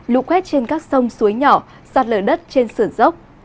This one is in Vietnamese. lũ quét trên các sông suối nhỏ sạt lỡ đất trên sửa dốc